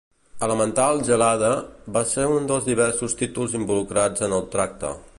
"Elemental Gelade" va ser un dels diversos títols involucrats en el tracte.